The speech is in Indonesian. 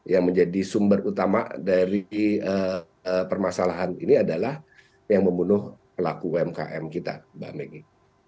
yang menjadi sumber utama dari permasalahan ini adalah yang membunuh pelaku umkm kita mbak meggy